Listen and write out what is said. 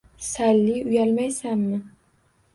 — Salli, uyalmaysanmi!